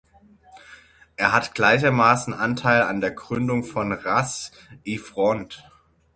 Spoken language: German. Er hat gleichermaßen Anteil an der Gründung von Ras l’front.